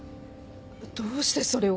どうしてそれを？